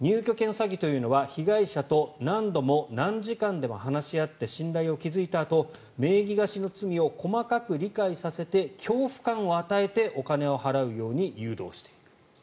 詐欺というのは被害者と何度も何時間でも話し合って信頼を築いたあと名義貸しの罪を細かく理解させて恐怖感を与えてお金を払うように誘導していく。